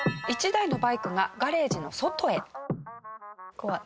怖い。